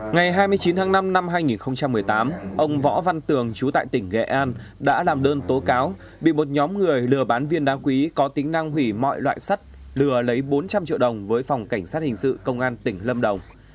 ngày hai mươi chín tháng năm năm hai nghìn một mươi tám ông võ văn tường chú tại tỉnh nghệ an đã làm đơn tố cáo bị một nhóm người lừa bán viên đá quý có tính năng hủy mọi loại sắt lừa lấy bốn trăm linh triệu đồng với phòng cảnh sát hình sự công an tỉnh lâm đồng